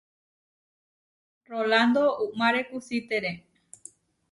Rolando uʼmáre kusítere.